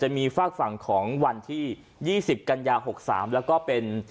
มีฝากฝั่งของวันที่๒๐กันยา๖๓แล้วก็เป็น